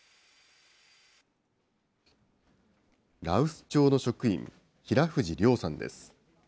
羅臼町の職員、平藤亮さんです。